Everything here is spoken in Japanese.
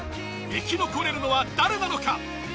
生き残れるのは誰なのか？